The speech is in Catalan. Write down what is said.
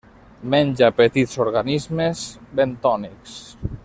Menja petits organismes bentònics.